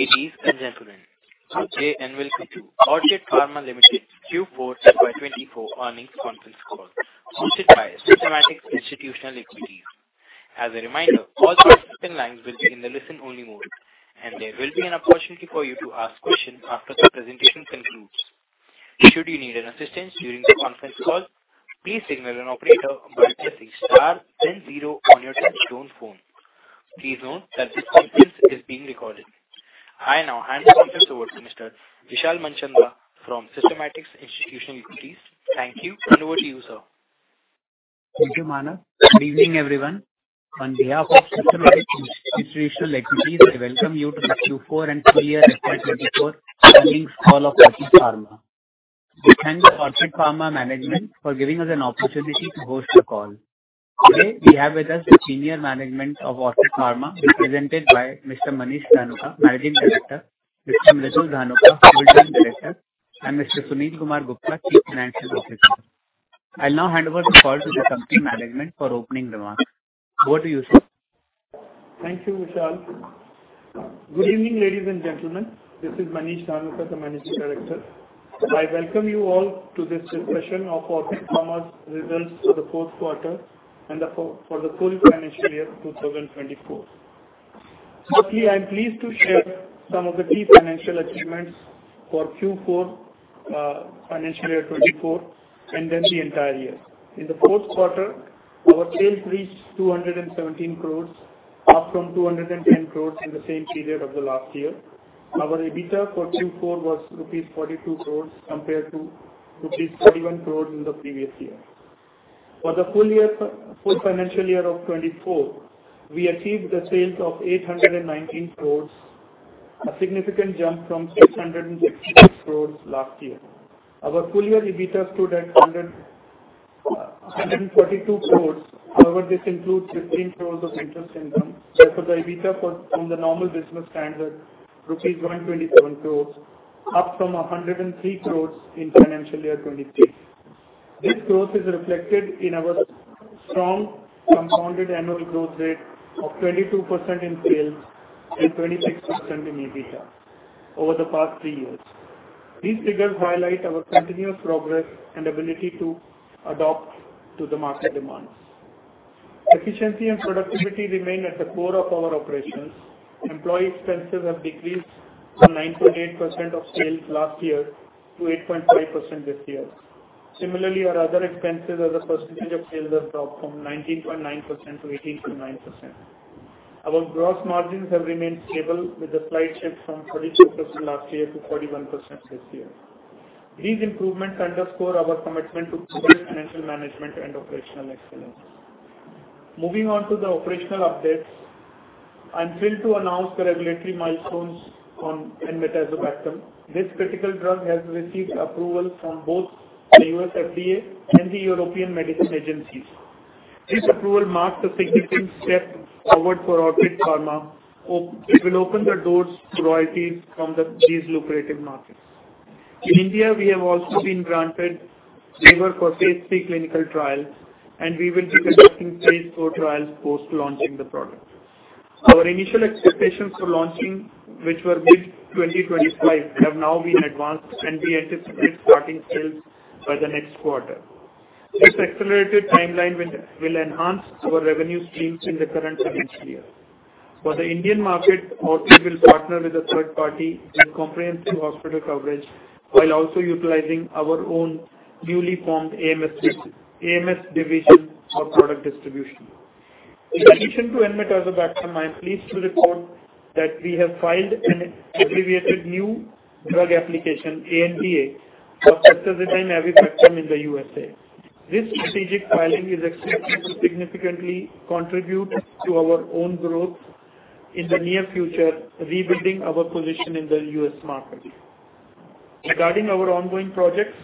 Ladies and gentlemen, good day and welcome to Orchid Pharma Limited Q4 FY24 Earnings Conference Call, hosted by Systematix Institutional Equities. As a reminder, all participants' lines will be in the listen-only mode, and there will be an opportunity for you to ask questions after the presentation concludes. Should you need assistance during the conference call, please signal an operator by pressing star then zero on your touch-tone phone. Please note that this conference is being recorded. I now hand the conference over to Mr. Vishal Manchanda from Systematix Institutional Equities. Thank you, and over to you, sir. Thank you, Manav. Good evening, everyone. On behalf of Systematix Institutional Equities, I welcome you to Q4 and full year FY 2024 earnings call of Orchid Pharma. We thank the Orchid Pharma management for giving us an opportunity to host the call. Today, we have with us the senior management of Orchid Pharma, represented by Mr. Manish Dhanuka, Managing Director, Mr. Mridul Dhanuka, Director, and Mr. Sunil Kumar Gupta, Chief Financial Officer. I'll now hand over the call to the company management for opening remarks. Over to you, sir. Thank you, Vishal. Good evening, ladies and gentlemen. This is Manish Dhanuka, the Managing Director. I welcome you all to this discussion of Orchid Pharma's results for the fourth quarter and the full financial year 2024. So I'm pleased to share some of the key financial achievements for Q4, financial year 2024, and then the entire year. In the fourth quarter, our sales reached 217 crore, up from 210 crore in the same period of the last year. Our EBITDA for Q4 was rupees 42 crore, compared to rupees 31 crore in the previous year. For the full year, full financial year of 2024, we achieved the sales of 819 crore, a significant jump from 666 crore last year. Our full year EBITDA stood at 142 crore. However, this includes 15 crore of interest income, therefore the EBITDA for, from the normal business standard, rupees 127 crore, up from 103 crore in financial year 2023. This growth is reflected in our strong compounded annual growth rate of 22% in sales and 26% in EBITDA over the past three years. These figures highlight our continuous progress and ability to adapt to the market demands. Efficiency and productivity remain at the core of our operations. Employee expenses have decreased from 9.8% of sales last year to 8.5% this year. Similarly, our other expenses as a percentage of sales have dropped from 19.9%-18.9%. Our gross margins have remained stable, with a slight shift from 42% last year to 41% this year. These improvements underscore our commitment to better financial management and operational excellence. Moving on to the operational updates, I'm thrilled to announce the regulatory milestones on enmetazobactam. This critical drug has received approval from both the US FDA and the European Medicines Agency. This approval marks a significant step forward for Orchid Pharma. It will open the doors to royalties from these lucrative markets. In India, we have also been granted approval for phase three clinical trials, and we will be conducting phase four trials post-launching the product. Our initial expectations for launching, which were mid-2025, have now been advanced, and we anticipate starting sales by the next quarter. This accelerated timeline will enhance our revenue streams in the current financial year. For the Indian market, Orchid will partner with a third party with comprehensive hospital coverage, while also utilizing our own newly formed AMS, AMS division for product distribution. In addition to enmetazobactam, I'm pleased to report that we have filed an Abbreviated New Drug Application, ANDA, of ceftazidime-avibactam in the USA. This strategic filing is expected to significantly contribute to our own growth in the near future, rebuilding our position in the U.S. market. Regarding our ongoing projects,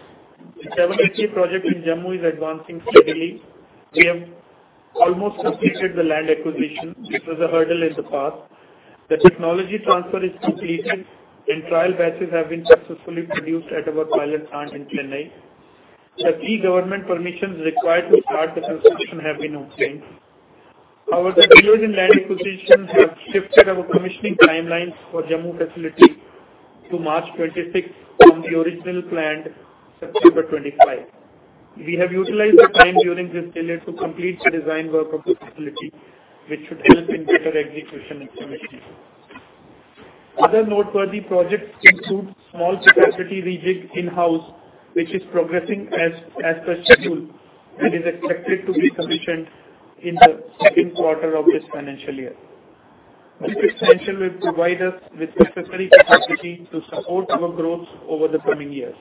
the 7-ACA project in Jammu is advancing steadily. We have almost completed the land acquisition, which was a hurdle in the past. The technology transfer is completed and trial batches have been successfully produced at our pilot plant in Chennai. The three government permissions required to start the construction have been obtained. However, the delays in land acquisition have shifted our commissioning timelines for Jammu facility to March 26 from the original planned September 25. We have utilized the time during this delay to complete the design work of the facility, which should help in better execution and commissioning. Other noteworthy projects include small capacity rejig in-house, which is progressing as per schedule and is expected to be commissioned in the second quarter of this financial year. This expansion will provide us with necessary capacity to support our growth over the coming years.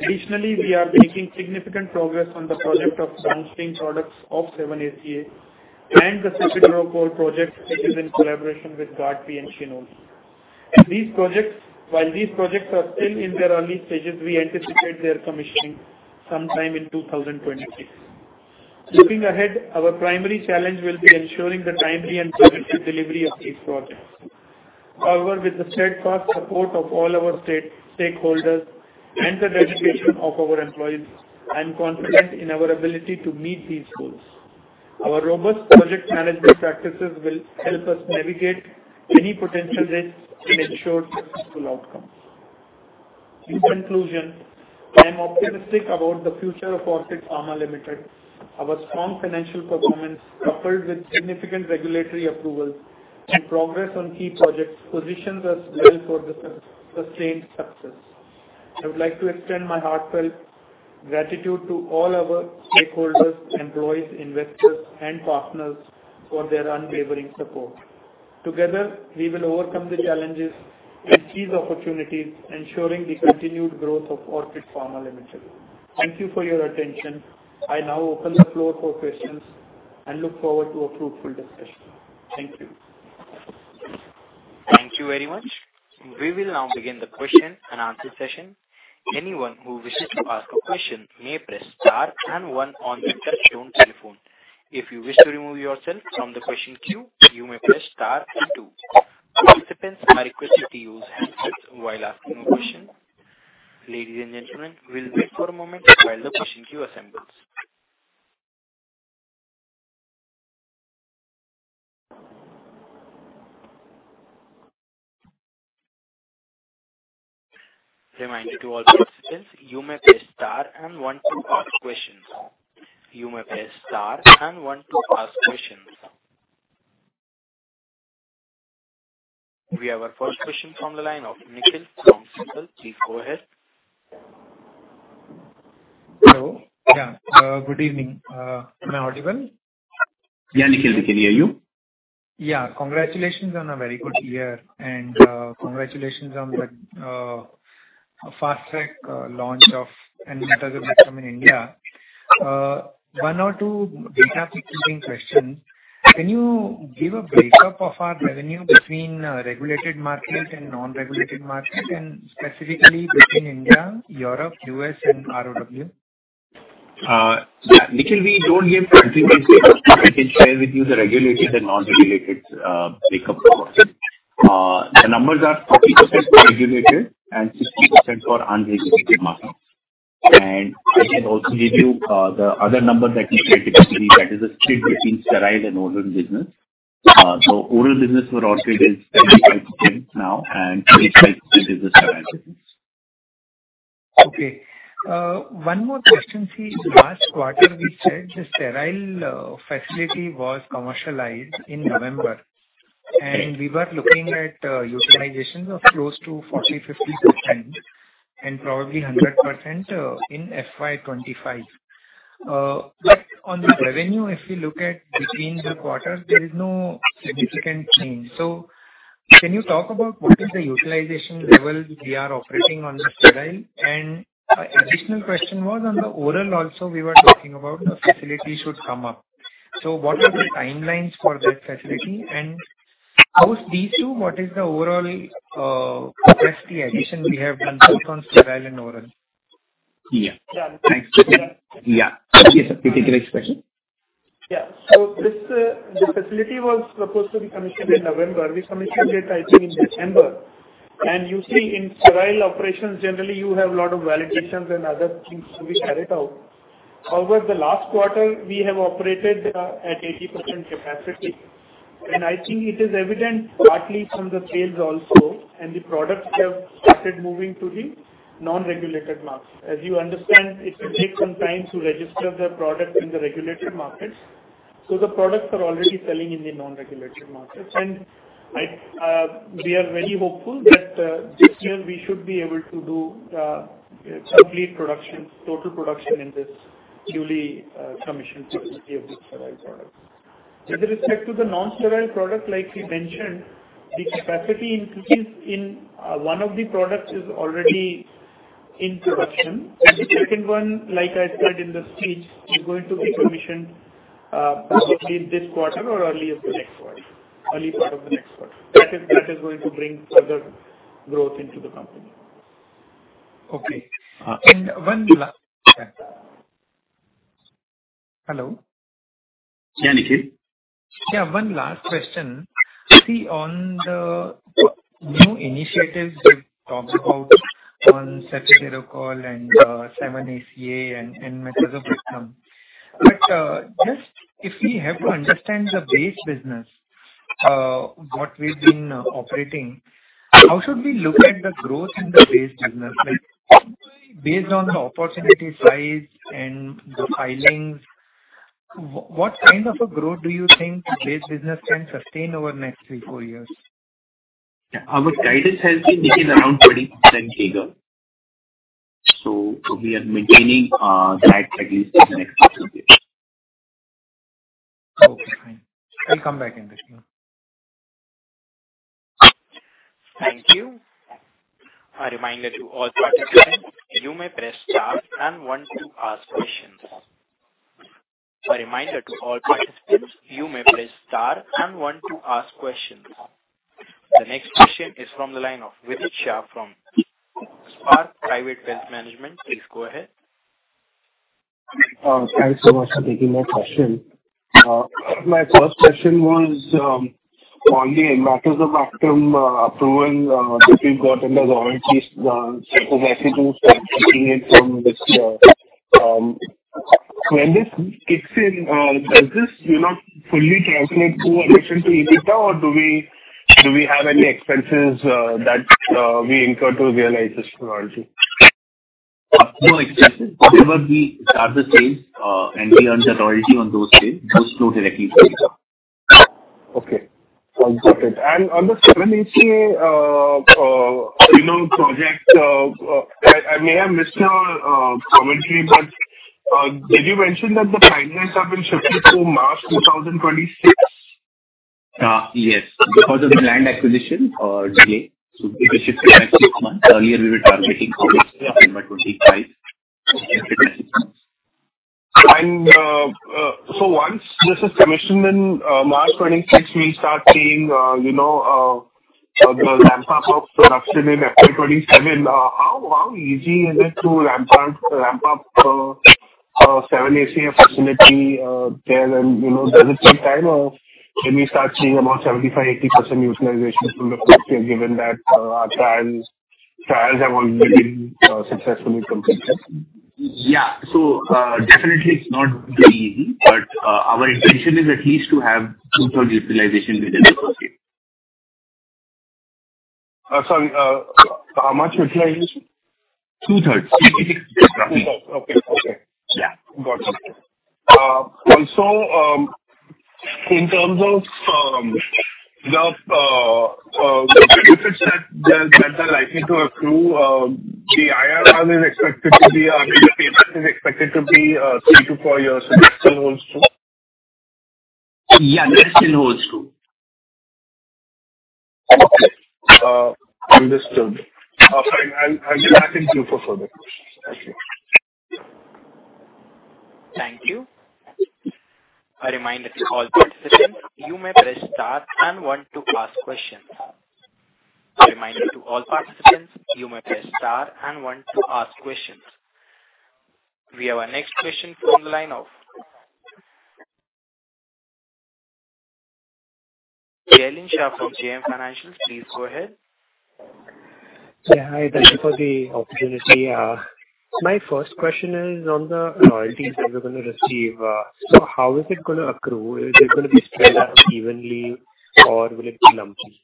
Additionally, we are making significant progress on the project of downstream products of 7-ACA and the Cefiderocol project, which is in collaboration with GARDP and Shionogi. These projects. While these projects are still in their early stages, we anticipate their commissioning sometime in 2026. Looking ahead, our primary challenge will be ensuring the timely and budget delivery of these projects. However, with the steadfast support of all our stakeholders and the dedication of our employees, I'm confident in our ability to meet these goals... Our robust project management practices will help us navigate any potential risks and ensure successful outcomes. In conclusion, I'm optimistic about the future of Orchid Pharma Limited. Our strong financial performance, coupled with significant regulatory approvals and progress on key projects, positions us well for the sustained success. I would like to extend my heartfelt gratitude to all our stakeholders, employees, investors, and partners for their unwavering support. Together, we will overcome the challenges and seize opportunities, ensuring the continued growth of Orchid Pharma Limited. Thank you for your attention. I now open the floor for questions and look forward to a fruitful discussion. Thank you. Thank you very much. We will now begin the question and answer session. Anyone who wishes to ask a question may press star and one on your touchtone telephone. If you wish to remove yourself from the question queue, you may press star and two. Participants are requested to use handsets while asking a question. Ladies and gentlemen, we'll wait for a moment while the question queue assembles. Reminder to all participants, you may press star and one to ask questions. You may press star and one to ask questions. We have our first question from the line of Nikhil from SIMPL. Please go ahead. Hello. Yeah, good evening. Am I audible? Yeah, Nikhil, we can hear you. Yeah. Congratulations on a very good year, and congratulations on the fast-track launch of enmetazobactam in India. One or two data point questions. Can you give a breakup of our revenue between regulated markets and non-regulated markets, and specifically between India, Europe, US, and ROW? Yeah, Nikhil, we don't give contribution. I can share with you the regulated and non-regulated breakup. The numbers are 40% regulated and 60% for unregulated markets. And I can also give you the other number that you said, that is the split between sterile and oral business. So oral business for Orchid is 25% now, and 80% is the sterile business. Okay. One more question, please. Last quarter, we said the sterile facility was commercialized in November, and we were looking at utilizations of close to 40%-50%, and probably 100% in FY 2025. But on the revenue, if you look at between the quarters, there is no significant change. So can you talk about what is the utilization level we are operating on the sterile? And an additional question was, on the oral also, we were talking about a facility should come up. So what are the timelines for that facility, and how these two, what is the overall capacity addition we have done both on sterile and oral? Yeah. Thanks. Yeah. Yeah. Yes, a particular expression. Yeah. So this, the facility was supposed to be commissioned in November. We commissioned it, I think, in December. And you see, in sterile operations, generally, you have a lot of validations and other things to be carried out. However, the last quarter we have operated at 80% capacity, and I think it is evident partly from the sales also, and the products have started moving to the non-regulated markets. As you understand, it will take some time to register the product in the regulated markets, so the products are already selling in the non-regulated markets. And I, we are very hopeful that this year we should be able to do complete production, total production in this newly commissioned facility of the sterile products. With respect to the non-sterile product, like we mentioned, the capacity increases in one of the products is already in production. And the second one, like I said in the speech, is going to be commissioned, probably in this quarter or early of the next quarter, early part of the next quarter. That is, that is going to bring further growth into the company. Okay. Uh- One last... Hello? Yeah, Nikhil. Yeah, one last question. See, on the new initiatives you talked about on Cefiderocol and 7-ACA and enmetazobactam. But just if we have to understand the base business, what we've been operating, how should we look at the growth in the base business? Like, based on the opportunity size and the filings, what kind of a growth do you think the base business can sustain over the next three, four years? Yeah. Our guidance has been within around 20% CAGR. So we are maintaining that at least in the next two years. Okay, fine. I'll come back in this one. Thank you. A reminder to all participants, you may press star and one to ask questions. A reminder to all participants, you may press star and one to ask questions. The next question is from the line of Vidit Shah from Spark Private Wealth Management. Please go ahead. Thanks so much for taking my question. My first question was, on the matter of the Allecra approval that you've got in the royalties, the economics from this, when this kicks in, does this, you know, fully translate to EBITDA, or do we, do we have any expenses that we incur to realize this royalty? No expenses. Whenever we start the sales, and we earn the royalty on those sales, those flow directly to the bottom. Okay. Understood. On the 7-ACA, you know, project, I may have missed your commentary, but did you mention that the timelines have been shifted to March 2026? Yes, because of the land acquisition delay, so it was shifted by six months. Earlier, we were targeting October 25. So once this is commissioned in March 2026, we start seeing the ramp up of production in FY 2027. How easy is it to ramp up the 7-ACA facility there? And, you know, does it take time, or can we start seeing about 75%-80% utilization from the first year, given that our trials have already been successfully completed? Yeah. So, definitely it's not very easy, but, our intention is at least to have two-thirds utilization within the first year. Sorry, how much utilization? Two-thirds. Two-thirds. Okay, okay. Yeah. Got it. Also, in terms of the benefits that are likely to accrue, the IRR is expected to be 3-4 years, that still holds true? Yeah, that still holds true. Okay. Understood. Sorry, I'll, I'll get back in queue for further questions. Thank you. Thank you. A reminder to all participants, you may press star and one to ask questions. A reminder to all participants, you may press star and one to ask questions. We have our next question from the line of... Jainil Shah from JM Financial. Please go ahead. Yeah, hi, thank you for the opportunity. My first question is on the royalties that you're gonna receive. So how is it gonna accrue? Is it gonna be spread out evenly or will it be lumpy?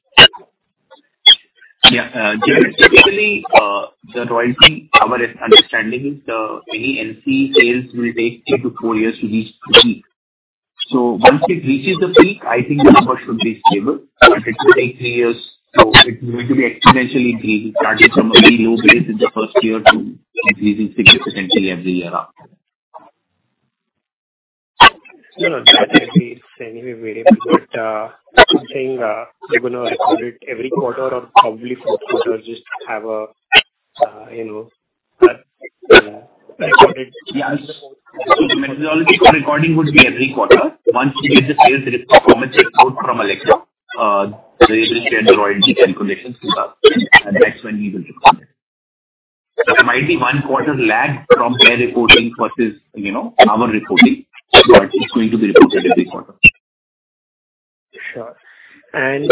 Yeah, generally, the royalty, our understanding is, any NCE sales will take 3-4 years to reach peak. So once it reaches the peak, I think the numbers should be stable, but it will take 3 years. So it's going to be exponentially increasing from a very low base in the first year to increasing significantly every year after. No, that may be anyway variable. But, just saying, we're gonna record it every quarter or probably first quarter, just have a, you know? Yeah. So the methodology for recording would be every quarter. Once we get the sales report from Allecra, they will share the royalty calculations with us, and that's when we will record it. There might be one quarter lag from their reporting versus, you know, our reporting, but it's going to be reported every quarter. Sure. And,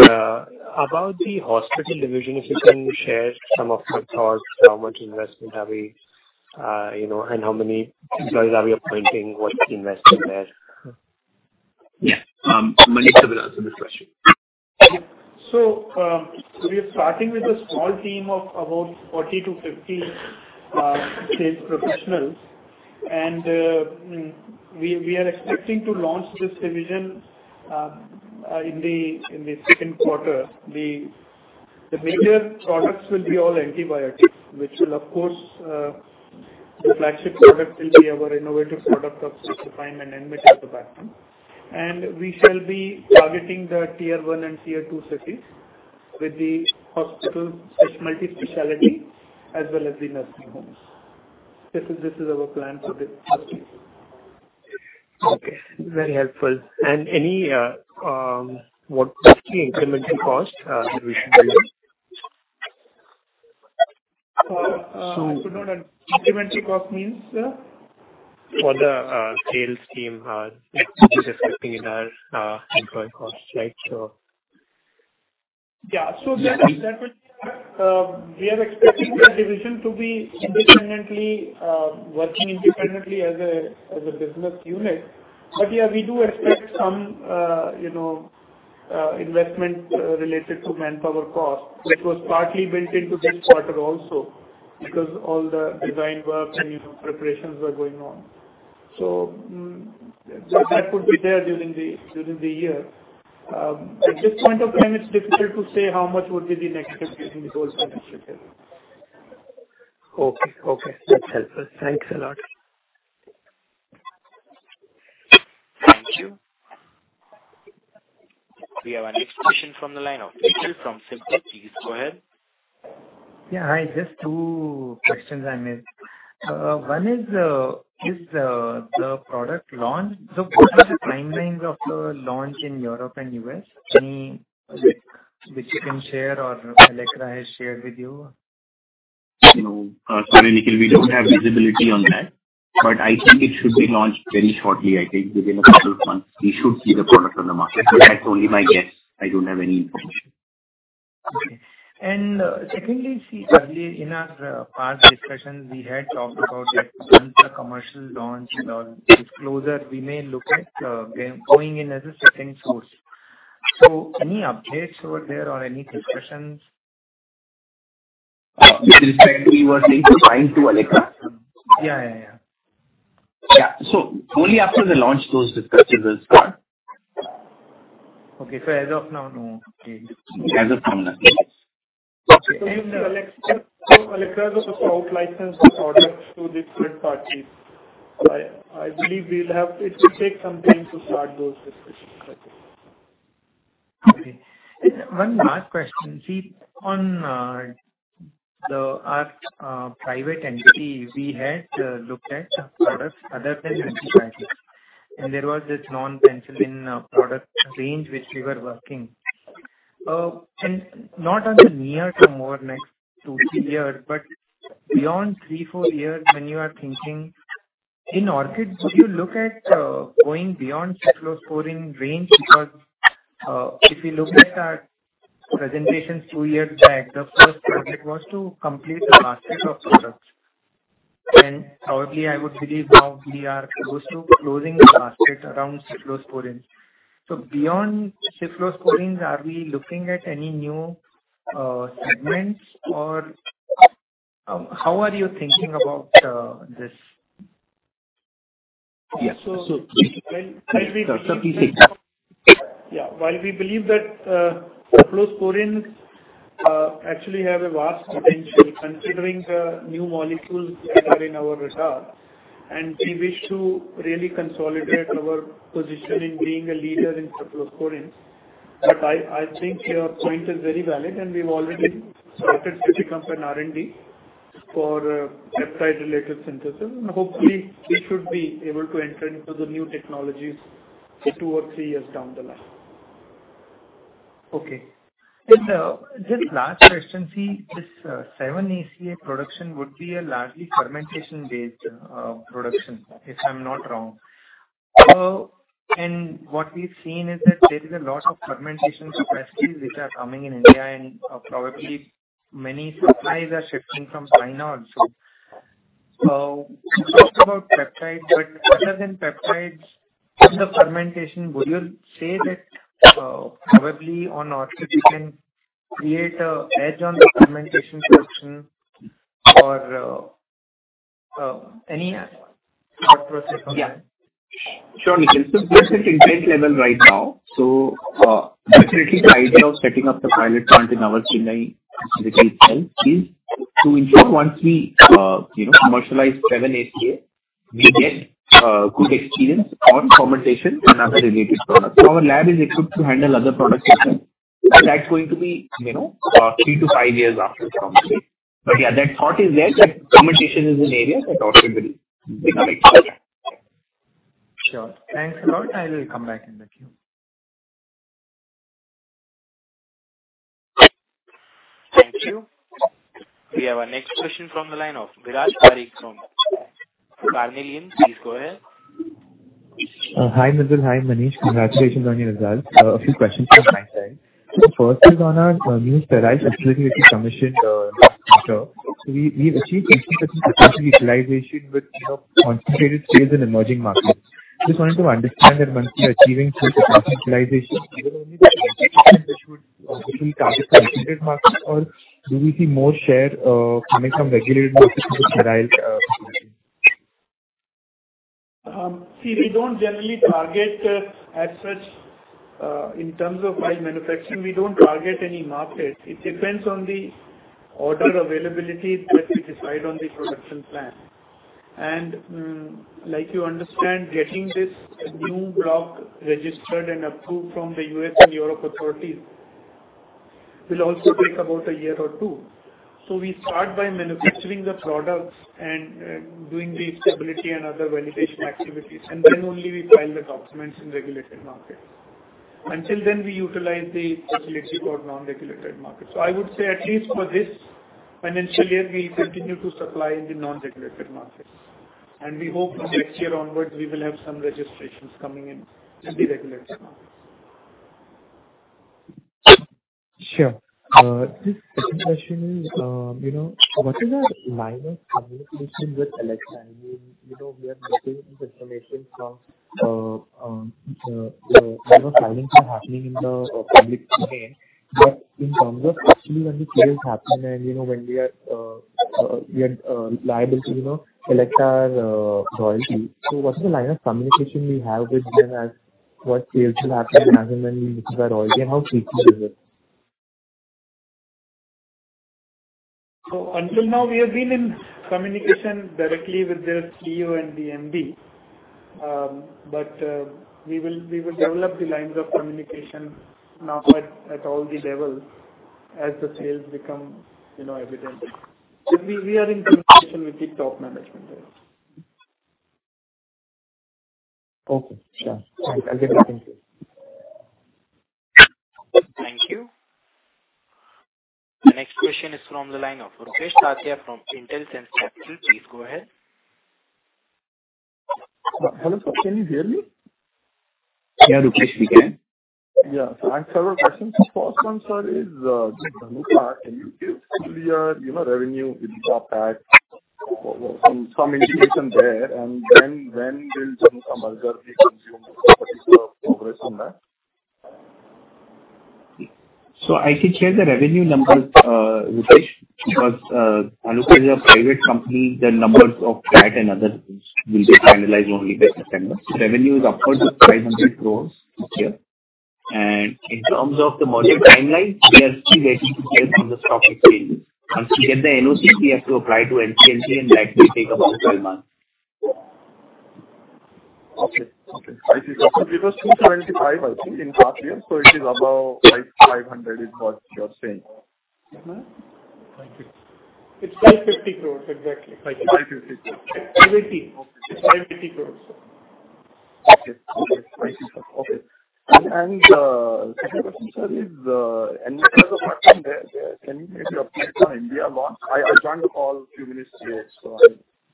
about the hospital division, if you can share some of your thoughts, how much investment have we, you know, and how many employees are we appointing? What's the investment there? Yeah. Manish will answer this question. So, we are starting with a small team of about 40-50 sales professionals. And we are expecting to launch this division in the second quarter. The major products will be all antibiotics, which will of course, the flagship product will be our innovative product of Cefepime and enmetazobactam. And we shall be targeting the Tier One and Tier Two cities with the hospital, multi-specialty, as well as the nursing homes. This is our plan for this. Okay, very helpful. What is the incremental cost that we should be looking? I do not... Incremental cost means, sir? For the sales team, it is affecting in our employee costs, right, so. Yeah. So that, that would, we are expecting the division to be independently, working independently as a, as a business unit. But yeah, we do expect some, you know, investment, related to manpower costs, which was partly built into this quarter also, because all the design works and, you know, preparations were going on. So, that would be there during the, during the year. At this point of time, it's difficult to say how much would be the negative impact in this whole financial year. Okay. Okay, that's helpful. Thanks a lot. Thank you. We have our next question from the line of Nikhil from SIMPL. Please go ahead. Yeah, hi, just two questions I made. One is, the product launch, so what are the timelines of the launch in Europe and US? Any which you can share or Allecra has shared with you?... You know, sorry, Nikhil, we don't have visibility on that, but I think it should be launched very shortly. I think within a couple of months, we should see the product on the market, but that's only my guess. I don't have any information. Okay. And, secondly, see, earlier in our past discussions, we had talked about that once the commercial launch or disclosure, we may look at going in as a second source. So any updates over there or any discussions? With respect, we were saying to bind to Allecra? Yeah, yeah, yeah. Yeah. So only after the launch those discussions will start. Okay. As of now, no change. As of now, nothing. So Allecra, so Allecra is out-licensed this product to different parties. I believe we'll have... It will take some time to start those discussions. Okay. One last question. See, on our private entity, we had looked at products other than antibiotics, and there was this non-penicillin product range which we were working. And not on the near term or next 2-3 years, but beyond 3-4 years when you are thinking, in Orchid, would you look at going beyond cephalosporin range? Because, if you look at our presentations 2 years back, the first project was to complete the basket of products. And probably I would believe now we are close to closing the basket around cephalosporin. So beyond cephalosporins, are we looking at any new segments or how are you thinking about this? Yeah, so- So- Sir, please. Yeah. While we believe that, cephalosporins, actually have a vast potential considering the new molecules that are in our radar, and we wish to really consolidate our position in being a leader in cephalosporins. But I, I think your point is very valid, and we've already started to pick up an R&D for, peptide-related synthesis. And hopefully, we should be able to enter into the new technologies two or three years down the line. Okay. Then, just last question. See, this 7-ACA production would be a largely fermentation-based production, if I'm not wrong. And what we've seen is that there is a lot of fermentation capacities which are coming in India and probably many supplies are shifting from China also. You talked about peptides, but other than peptides, in the fermentation, would you say that probably on Orchid we can create an edge on the fermentation production or any thought process on that? Yeah. Sure, Nikhil. So that's at intent level right now. So, actually the idea of setting up the pilot plant in our Chennai facility site is to ensure once we, you know, commercialize 7-ACA, we get, good experience on fermentation and other related products. Our lab is equipped to handle other products as well. That's going to be, you know, 3-5 years after launching. But yeah, that thought is there, that fermentation is an area that Orchid will be correct. Sure. Thanks a lot. I will come back in the queue. Thank you. We have our next question from the line of Viraj Parekh from Carnelian Asset Management. Please go ahead. Hi, Mridul, hi, Manish. Congratulations on your results. A few questions from my side. So the first is on our new sterile facility, which we commissioned last quarter. So we, we've achieved 50% potential utilization with, you know, concentrated sales in emerging markets. Just wanted to understand that once we're achieving full potential utilization, which would obviously target the regulated market, or do we see more share coming from regulated markets with sterile facility? See, we don't generally target, as such, in terms of file manufacturing, we don't target any market. It depends on the order availability that we decide on the production plan. And, like you understand, getting this new block registered and approved from the U.S. and Europe authorities will also take about a year or two. So we start by manufacturing the products and, doing the stability and other validation activities, and then only we file the documents in regulated markets. Until then, we utilize the facility for non-regulated markets. So I would say at least for this financial year, we continue to supply in the non-regulated markets. And we hope from next year onwards, we will have some registrations coming in in the regulated markets. Sure. This second question is, you know, what is our line of communication with Allecra? I mean, you know, we are getting this information from, you know, filings are happening in the public domain. But in terms of actually when the sales happen and, you know, when we are liable to, you know, collect our royalty. So what is the line of communication we have with them, as what sales will happen and when we receive our royalty, and how frequent is it? So until now, we have been in communication directly with their CEO and the MD. But we will develop the lines of communication now at all the levels as the sales become, you know, evident. But we are in communication with the top management there.... Okay, sure. I'll get back to you. Thank you. The next question is from the line of Rakesh Tatia from Intelligence Capital. Please go ahead. Hello, sir. Can you hear me? Yeah, Rakesh, we can. Yeah. So I have several questions. First one, sir, is Dhanuka. Can you give us clear, you know, revenue impact, some indication there, and then when will Dhanuka merger be consumed? What is the progress on that? So I can share the revenue numbers, Rakesh, because Dhanuka is a private company, the numbers of that and other things will be finalized only by September. Revenue is upwards of 500 crore this year. In terms of the merger timeline, we are still waiting to hear from the stock exchange. Once we get the NOC, we have to apply to NCLT, and that will take up to 12 months. Okay, okay. I see. So it was 225, I think, in half year, so it is above 550, is what you're saying. Mm-hmm. It's 550 crore, exactly. 550 crore. Five eighty. Okay. It's 580 crore. Okay, okay. I see. Okay. And, second question, sir, is can you maybe update on India launch? I joined the call a few minutes late,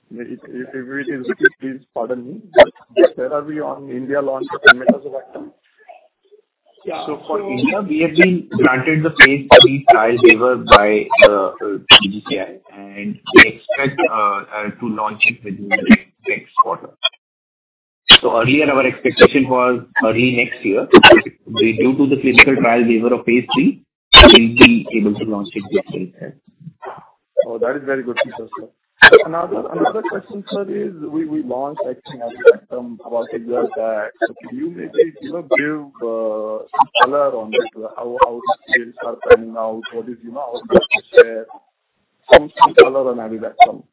so if it is repeated, please pardon me. But where are we on India launch for enmetazobactam? So for India, we have been granted the phase III trial waiver by DCGI, and we expect to launch it within the next quarter. So earlier, our expectation was early next year. Due to the clinical trial waiver of phase III, we'll be able to launch it before that. Oh, that is very good news, sir. Another, another question, sir, is we, we launched, I think, about a year back. So can you maybe, you know, give some color on it? How, how sales are panning out, what is, you know, our share. Some, some color on Avibactam.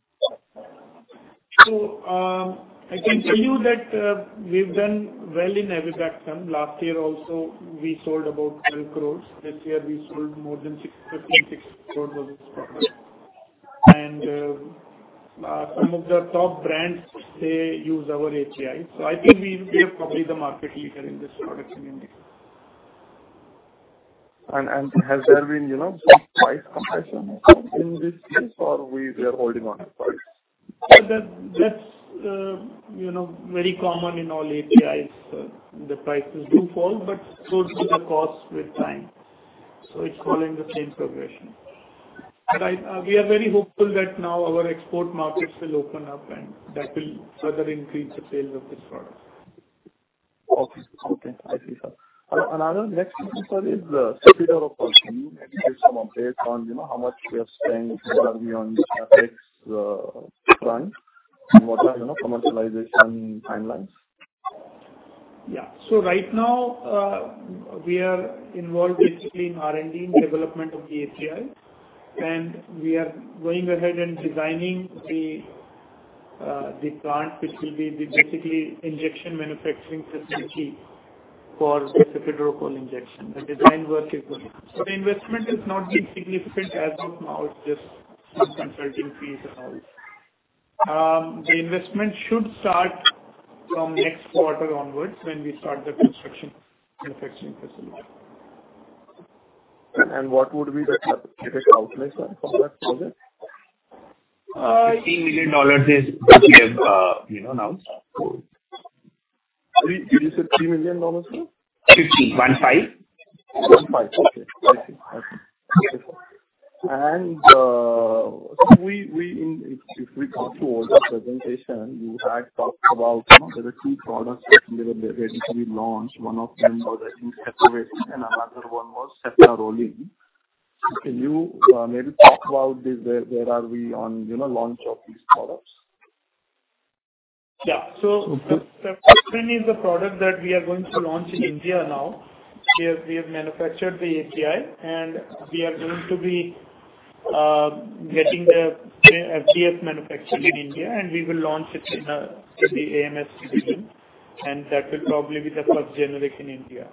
I can tell you that, we've done well in Avibactam. Last year also, we sold about 12 crore. This year we sold more than 61.56 crore of this product. Some of the top brands, they use our API. So I think we, we are probably the market leader in this product in India. Has there been, you know, some price compression in this case, or we are holding on the price? That, that's, you know, very common in all APIs. The prices do fall, but so do the costs with time, so it's following the same progression. But I... We are very hopeful that now our export markets will open up, and that will further increase the sales of this product. Okay. Okay, I see, sir. Another, next question, sir, is Cefiderocol. Can you maybe give some updates on, you know, how much we are spending currently on CapEx plan, and what are, you know, commercialization timelines? Yeah. So right now, we are involved basically in R&D, in development of the API. We are going ahead and designing the plant, which will be the basically injection manufacturing facility for the Cefiderocol injection. The design work is going on. The investment is not yet significant. As of now, it's just some consulting fees and all. The investment should start from next quarter onwards, when we start the construction, manufacturing facility. What would be the estimated outlay, sir, for that project? $15 million is what we have, you know, announced. 3... Did you say $3 million, sir? 15, 15. 15. Okay. I see. Okay. And, if we come to older presentation, you had talked about, you know, there are three products that were ready to be launched. One of them was, I think, Cefepime, and another one was Ceftaroline. Can you, maybe talk about this? Where, where are we on, you know, launch of these products? Yeah. So Cefepime is a product that we are going to launch in India now. We have, we have manufactured the API, and we are going to be, getting the API manufactured in India, and we will launch it in, the AMS division, and that will probably be the first generic in India.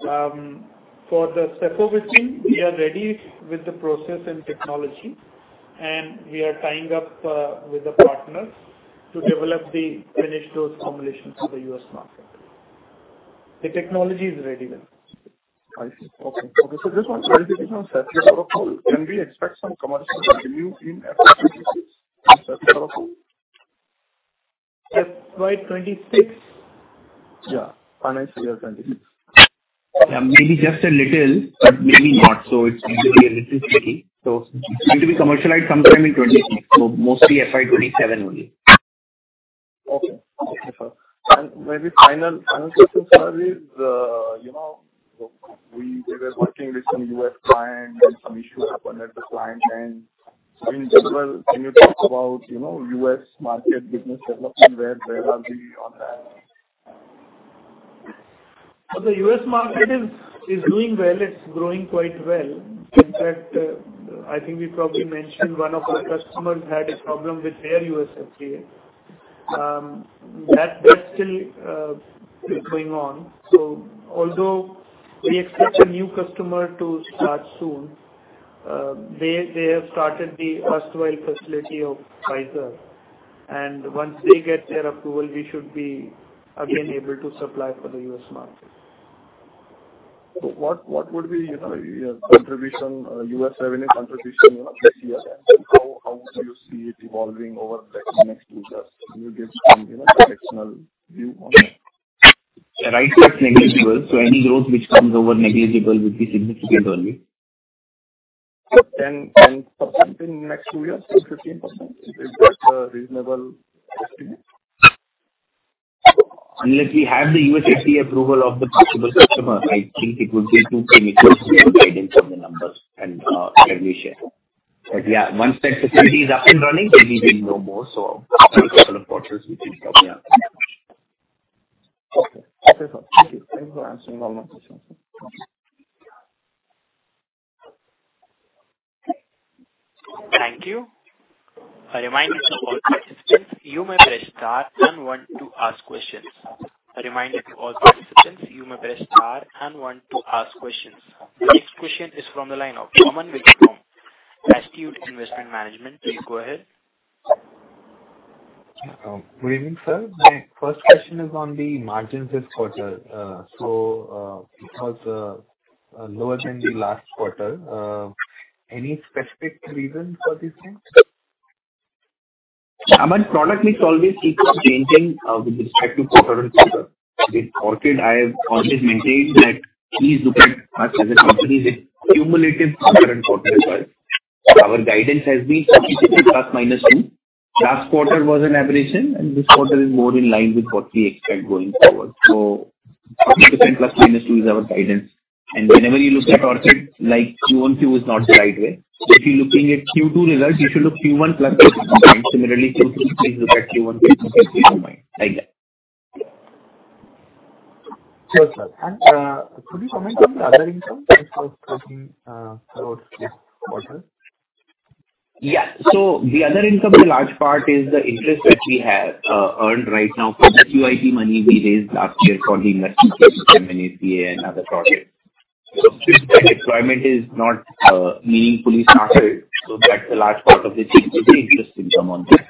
For the Cefepime, we are ready with the process and technology, and we are tying up, with the partners to develop the finished goods formulation for the U.S. market. The technology is ready with us. I see. Okay. Just one clarification on Cefiderocol. Can we expect some commercial revenue in FY 26? FY twenty-six? Yeah, financial year 26. Yeah, maybe just a little, but maybe not. So it's usually a little tricky. So it's going to be commercialized sometime in 2026, so mostly FY 2027 only. Okay. Okay, sir. And maybe final, final question, sir, is, you know, we, we were working with some U.S. client, and some issue happened at the client end. In general, can you talk about, you know, U.S. market business development? Where, where are we on that? So the US market is doing well. It's growing quite well. In fact, I think we probably mentioned one of our customers had a problem with their U.S. FDA. That's still going on. So although we expect a new customer to start soon, they have started the sterile facility of Pfizer, and once they get their approval, we should be again able to supply for the US market. So what, what would be, you know, your contribution, U.S. revenue contribution, you know, this year? And how, how would you see it evolving over the next two years? Can you give some, you know, directional view on that? Right, that's negligible, so any growth which comes over negligible would be significant only. 10, 10% in the next two years, or 15%, is that a reasonable estimate? Unless we have the US FDA approval of the possible customer, I think it would be too premature to guide in from the numbers and, let me share. But, yeah, once that facility is up and running, then we will know more, so couple of quarters, we can come here. Okay. Okay, sir. Thank you. Thank you for answering all my questions. Thank you. A reminder to all participants, you may press star and one to ask questions. A reminder to all participants, you may press star and one to ask questions. The next question is from the line of Aman Vij from Astute Investment Management. Please go ahead. Good evening, sir. My first question is on the margins this quarter. So, because lower than the last quarter, any specific reason for this thing? Among product mix, always keeps changing with respect to quarter and quarter. With Orchid, I have always maintained that please look at us as a company with cumulative quarter and quarter wise. Our guidance has been 50% ±2%. Last quarter was an aberration, and this quarter is more in line with what we expect going forward. So 50% ±2% is our guidance. And whenever you look at Orchid, like Q1, Q is not the right way. So if you're looking at Q2 results, you should look Q1 plus similarly, look at Q1 plus like that. Sure, sir. Could you comment on the other income instead of talking about this quarter? Yeah. So the other income, the large part is the interest that we have earned right now from the QIP money we raised last year for the investment in ACA and other projects. So deployment is not meaningfully started, so that's a large part of the interest income on that.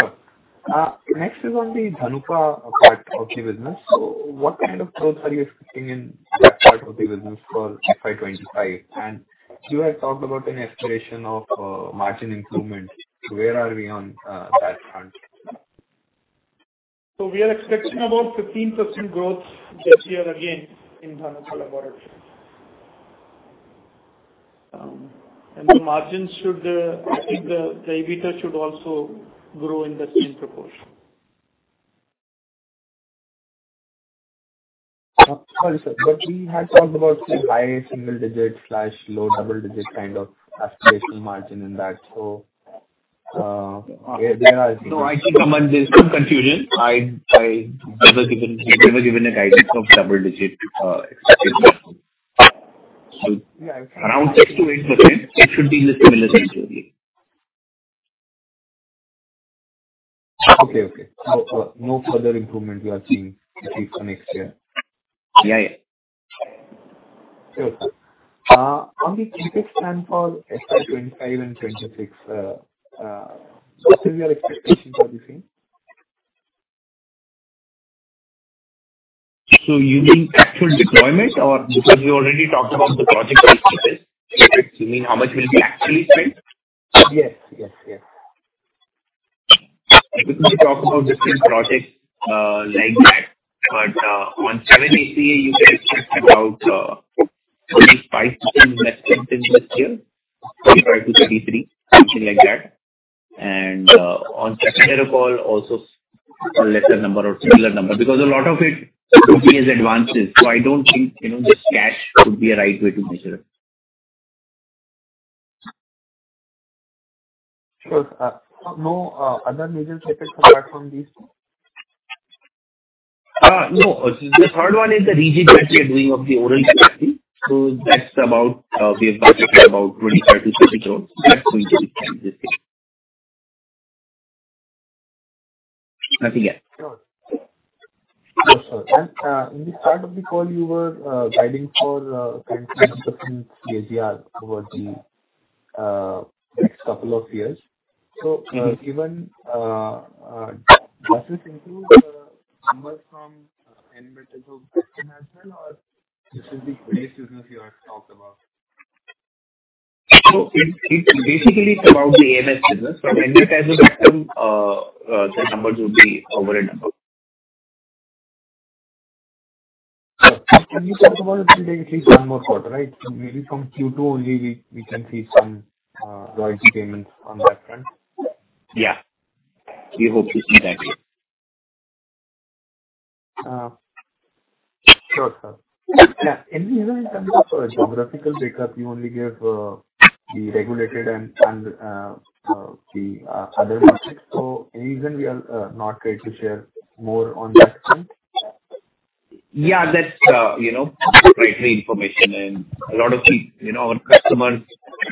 Sure. Next is on the Dhanuka part of the business. So what kind of growth are you expecting in that part of the business for FY 25? And you had talked about an exploration of margin improvement. Where are we on that front? We are expecting about 15% growth this year, again, in Dhanuka Laboratories. The margins should, I think, the EBITDA should also grow in the same proportion. Sorry, sir, but we had talked about say high single digit/low double digit kind of aspirational margin in that. So, there are- No, I think, Aman, there's some confusion. I, we were given, we were given a guidance of double digit, around 6%-8%, it should be in the similar range only. Okay, okay. So no further improvement you are seeing at least for next year? Yeah, yeah. Sure. On the CapEx plan for FY 25 and 26, what are your expectations are the same? You mean actual deployment or... Because we already talked about the project CapEx. You mean how much will be actually spent? Yes, yes, yes. We talk about different projects, like that, but, on 7-ACA, you can expect about, only 5% less than last year, 35-33, something like that. And, on second call also a lesser number or similar number, because a lot of it could be as advances. So I don't think, you know, just cash would be a right way to measure it. Sure. No, other major CapEx apart from these two? No. The third one is the R&D that we are doing of the oral, so that's about, we have budgeted about 25-30 crores. That will be this year. Nothing yet. Sure. And, in the start of the call, you were guiding for 20% CAGR over the next couple of years. So, given, does this include numbers from enmetazobactam as well, or this is the previous business you have talked about? So it basically it's about the AMS business, but when that has a system, the numbers would be over a number. Can you talk about it will take at least one more quarter, right? Maybe from Q2 only we, we can see some royalty payments on that front. Yeah, we hope to see that. Sure, sir. Any other in terms of geographical breakup, you only give the regulated and the other districts. So any reason we are not ready to share more on that front? Yeah, that's, you know, proprietary information and a lot of the, you know, our customers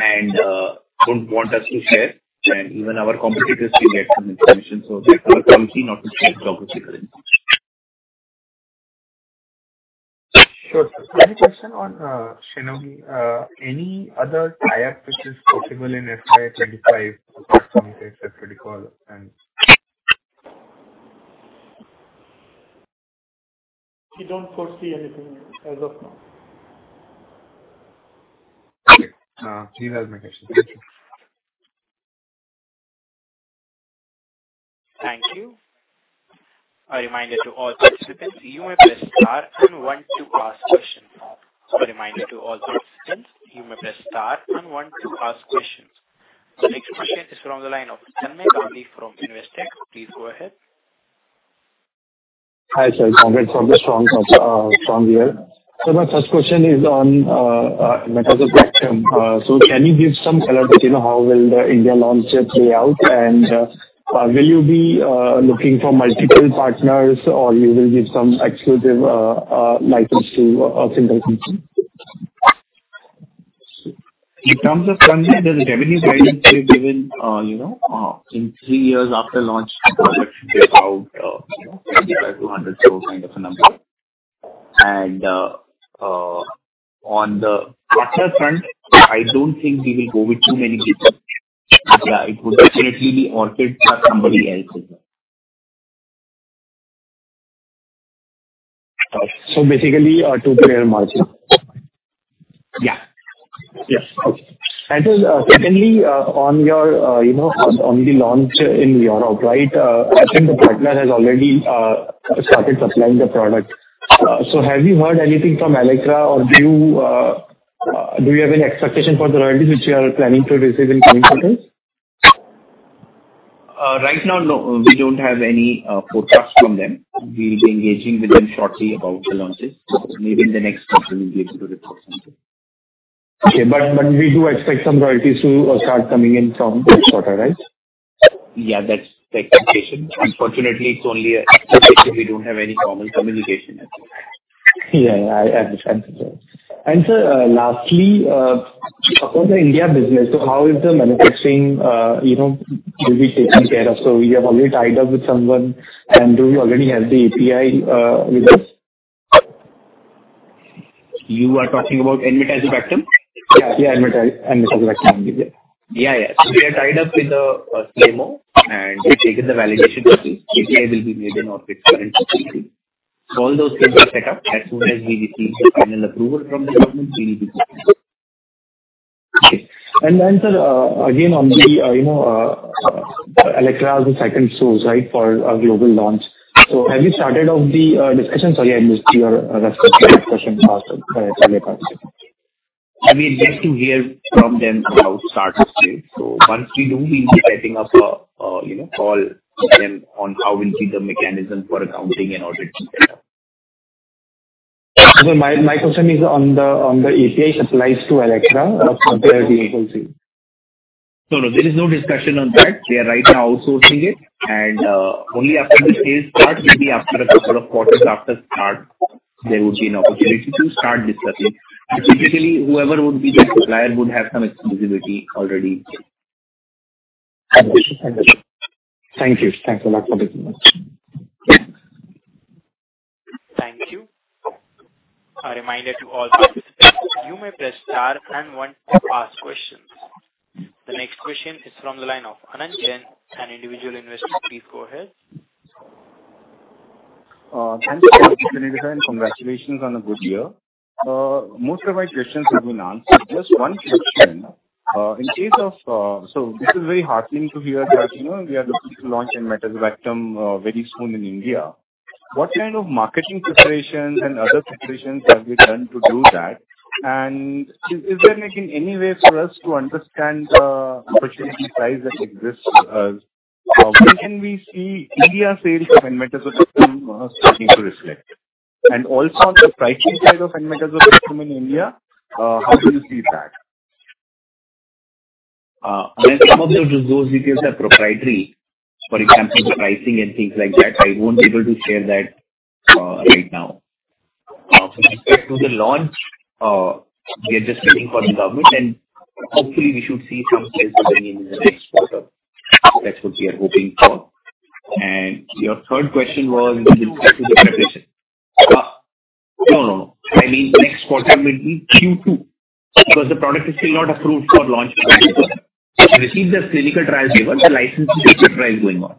and don't want us to share, and even our competitors will get some information. So that are coming to not to share geographically.... Sure, sir. One question on Shionogi. Any other trial which is possible in FY 2025 critical and- We don't foresee anything as of now. Okay, that's my question. Thank you. Thank you. A reminder to all participants, you may press star and one to ask questions. A reminder to all participants, you may press star and one to ask questions. The next question is from the line of Tanmay Gandhi from Investec. Please go ahead. Hi, sir, Tanmay from Investec, Investec here. So my first question is on enmetazobactam. So can you give some clarity on how will the India launch play out? And will you be looking for multiple partners, or you will give some exclusive license to a single company? In terms of country, there's a revenue guidance we've given, you know, in three years after launch, it should be about, you know, 25 crore-100 crore kind of a number. On the partner front, I don't think we will go with too many people. Yeah, it would definitely be Orchid plus somebody else as well. Basically, a two-player margin? Yeah. Yeah. Okay. Secondly, on your, you know, on the launch in Europe, right, I think the partner has already started supplying the product. So have you heard anything from Allecra, or do you have any expectation for the royalties, which you are planning to receive in coming quarters? Right now, no, we don't have any forecast from them. We'll be engaging with them shortly about the launches. Maybe in the next quarter, we'll be able to report something. Okay. But we do expect some royalties to start coming in from quarter, right? Yeah, that's the expectation. Unfortunately, it's only expectation. We don't have any formal communication at this time. Yeah, I, I understand. Sir, lastly, about the India business, so how is the manufacturing, you know, will be taken care of? So we have already tied up with someone, and do you already have the API with us? You are talking about enmetazobactam? Yeah, enmetazobactam. Yeah, yeah. So we are tied up with the CMO, and we've taken the validation. API will be made in Orchid. So all those things are set up. As soon as we receive the final approval from the government, we will be good. Okay. And then, sir, again, on the, you know, Allecra as a second source, right, for a global launch. So have you started off the discussion? Sorry, I missed your rest of the discussion earlier part, sir. I mean, yet to hear from them about start of sales. So once we do, we'll be setting up a, you know, call with them on how we'll see the mechanism for accounting and auditing set up. My question is on the API supplies to Allecra. No, no, there is no discussion on that. They are right now outsourcing it, and only after the sales start, maybe after a couple of quarters after start, there would be an opportunity to start discussing. And typically, whoever would be the supplier would have some exclusivity already. I understand. Thank you. Thanks a lot for this. Thank you. A reminder to all participants, you may press star and one to ask questions. The next question is from the line of Anant Jain, an individual investor. Please go ahead. Thank you, and congratulations on a good year. Most of my questions have been answered. Just one question. So this is very heartening to hear that, you know, we are looking to launch enmetazobactam very soon in India. What kind of marketing preparations and other preparations have we done to do that? And is there anything, any way for us to understand potentially the price that exists, when can we see India sales of enmetazobactam starting to reflect? And also on the pricing side of enmetazobactam in India, how do you see that? Some of those details are proprietary. For example, the pricing and things like that, I won't be able to share that, right now. With respect to the launch, we are just waiting for the government, and hopefully, we should see some sales coming in in the next quarter. That's what we are hoping for. Your third question was with respect to the preparation. No, no, no. I mean, next quarter will be Q2, because the product is still not approved for launch. We received the clinical trial label, the license clinical trial is going on.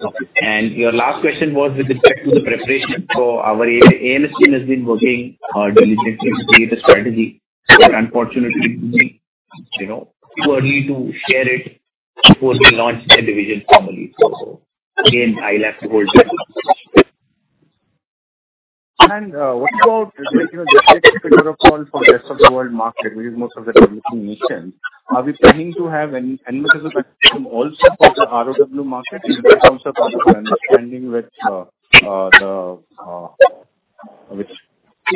Okay. Your last question was with respect to the preparation. So our AMS team has been working diligently to create a strategy, but unfortunately, you know, we are ready to share it before we launch the division formally. So again, I'll have to hold that. What about, you know, just like figure of call for the rest of the world market, which is most of the developing nations, are we planning to have an enmetazobactam also for the ROW market in terms of our understanding with the with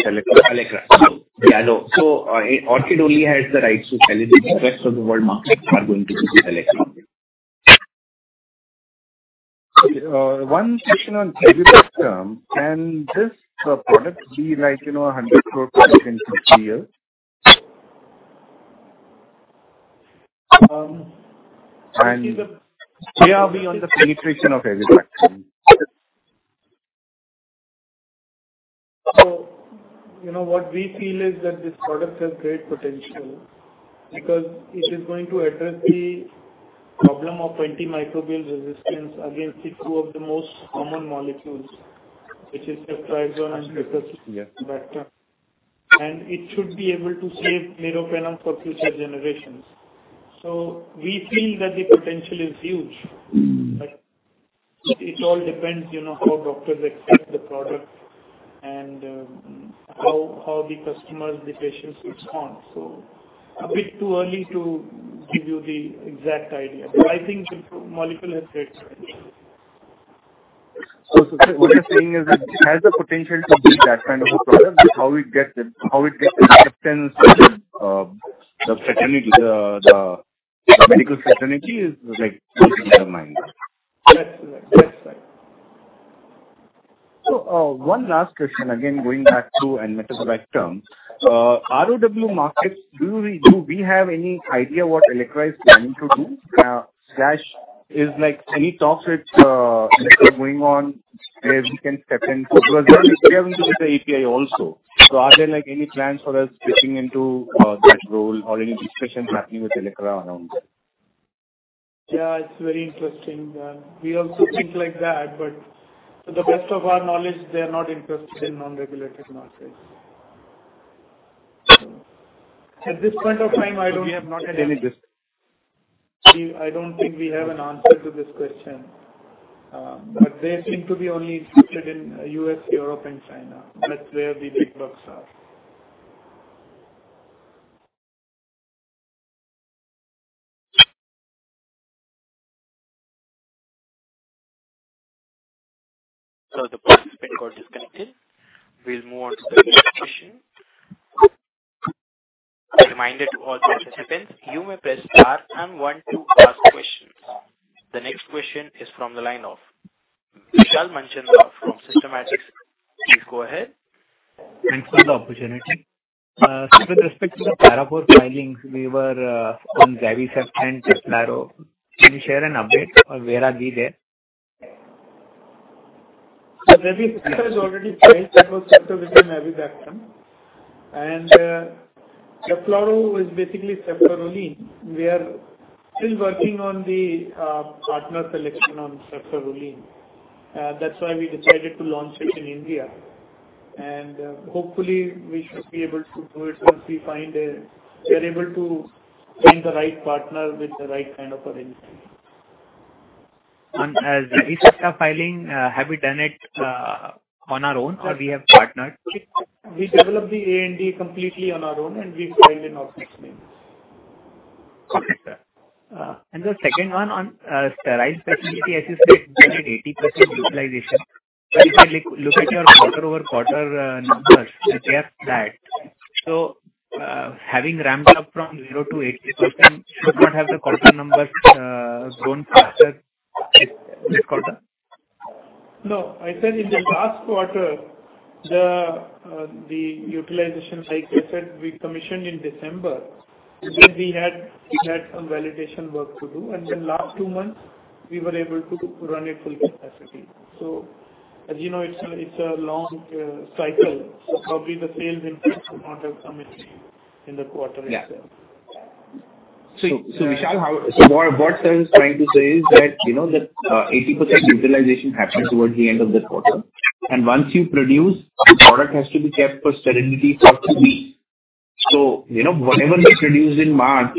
Allecra? Allecra. Yeah, so, Orchid only has the rights to sell it in the rest of the world. Markets are going to be selected. One question on enmetazobactam, can this product be right, you know, 100 crore in 2-3 years? And where are we on the penetration of Avibactam? You know, what we feel is that this product has great potential because it is going to address the problem of antimicrobial resistance against the two of the most common molecules, which is the tetracycline and ciprofloxacin. Yeah. And it should be able to save Meropenem for future generations. So we feel that the potential is huge. Mm. But it all depends, you know, how doctors accept the product and, how the customers, the patients, respond. So a bit too early to give you the exact idea, but I think the molecule has great potential. So what you're saying is that it has the potential to be that kind of a product, but how it gets it, how it gets acceptance, the medical fraternity is like something in our mind? That's right. That's right. So, one last question again, going back to enmetazobactam, ROW markets, do we, do we have any idea what Allecra is planning to do? Slash, is like any talks with, going on where we can step in? Because we are into the API also. So are there, like, any plans for us pitching into, that role or any discussions happening with Allecra around that? Yeah, it's very interesting. We also think like that, but to the best of our knowledge, they are not interested in non-regulated markets. At this point of time, I don't have... We have not had any discussion. I don't think we have an answer to this question. But they seem to be only interested in US, Europe and China. That's where the big bucks are. The participant got disconnected. We'll move on to the next question. A reminder to all participants, you may press star and one to ask questions. The next question is from the line of Vishal Manchanda from Systematic. Please go ahead. Thanks for the opportunity. So with respect to the Paragraph IV filings, we were on Zavicefta, Cefepime and Teflaro. Can you share an update on where are we there? Zavicefta, already filed Ceftazidime Avibactam. Teflaro is basically ceftaroline. We are still working on the partner selection on ceftaroline. That's why we decided to launch it in India. Hopefully we should be able to do it once we're able to find the right partner with the right kind of arrangement. On Zavicefta filing, have we done it on our own or we have partnered? We developed the ANDA completely on our own, and we filed in our next meetings. Okay, sir. And the second one on sterile specialty, as you said, 80% utilization. So if you look at your quarter-over-quarter numbers, they are flat. So, having ramped up from 0%-80%, should not have the quarter numbers grown faster this quarter? No, I said in the last quarter, the utilization, like I said, we commissioned in December. Then we had some validation work to do, and then last two months, we were able to run it full capacity. So as you know, it's a long cycle. So probably the sales impact would not have come in the quarter. Yeah. So, Vishal, what sir is trying to say is that, you know, that, 80% utilization happens towards the end of the quarter. And once you produce, the product has to be kept for sterility for two weeks. So, you know, whatever was produced in March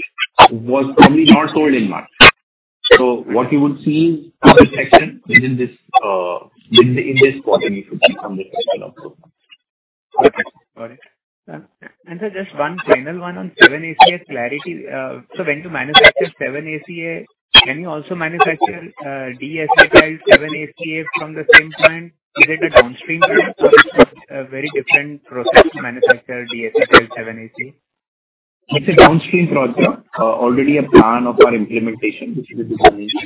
was probably not sold in March. So what you would see is the second within this, in the, in this quarter, you should see some difference. Okay. Got it. And, sir, just one final one on 7-ACA clarity. So when you manufacture 7-ACA, can you also manufacture desacetyl-7-ACA from the same plant? Is it a downstream plant or is it a very different process to manufacture desacetyl-7-ACA? It's a downstream process. Already a plan of our implementation, which will be finished.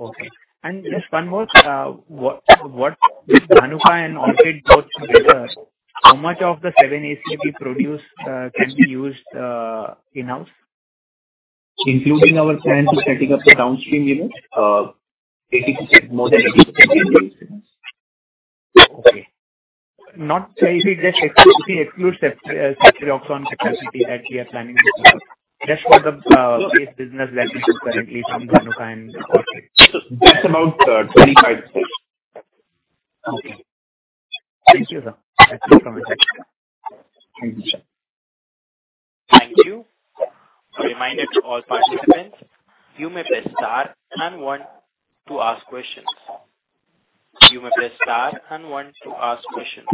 Okay. And just one more. What with Dhanuka and Orchid both together, how much of the 7-ACA we produce can be used in-house? Including our plan to setting up the downstream unit, 80%, more than 80%. Okay. So if you just exclude, if you exclude ceftriaxone capacity that we are planning, just for the base business that we do currently from Dhanuka and Orchid. Just about 25%. Okay. Thank you, sir. That's it from my side. Thank you, sir. Thank you. A reminder to all participants, you may press star and one to ask questions. You may press star and one to ask questions.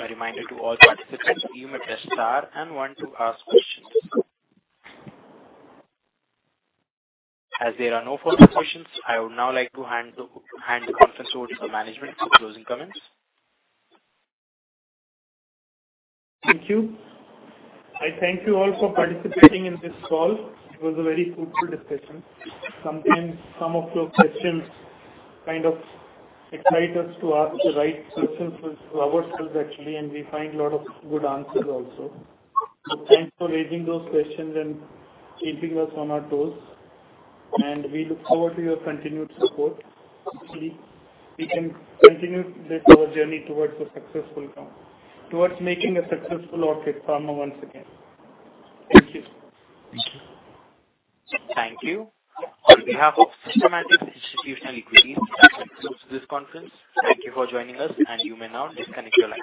A reminder to all participants, you may press star and one to ask questions. As there are no further questions, I would now like to hand the conference over to management for closing comments. Thank you. I thank you all for participating in this call. It was a very fruitful discussion. Sometimes some of your questions kind of ignite us to ask the right questions with ourselves actually, and we find a lot of good answers also. So thanks for raising those questions and keeping us on our toes, and we look forward to your continued support. Hopefully, we can continue this, our journey towards making a successful Orchid Pharma once again. Thank you. Thank you. Thank you. On behalf of Systematix Institutional Equities, I conclude this conference. Thank you for joining us, and you may now disconnect your line.